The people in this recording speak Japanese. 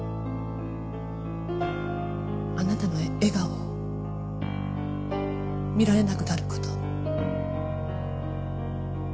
あなたの笑顔を見られなくなる事。